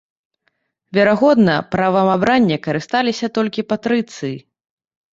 Верагодна, правам абрання карысталіся толькі патрыцыі.